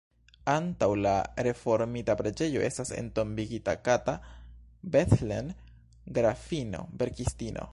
Antaŭ la reformita preĝejo estas entombigita Kata Bethlen, grafino, verkistino.